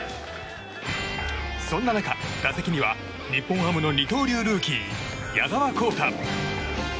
そんな中、打席には日本ハムの二刀流ルーキー矢澤宏太。